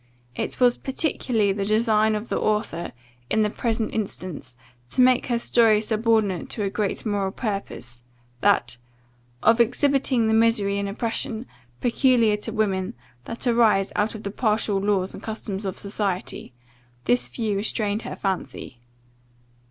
It was particularly the design of the author, in the present instance, to make her story subordinate to a great moral purpose, that "of exhibiting the misery and oppression, peculiar to women, that arise out of the partial laws and customs of society. This view restrained her fancy."